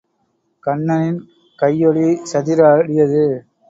கண்ணனின் கையாழி சதிர் ஆடியது.